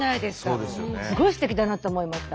すごいすてきだなって思いました。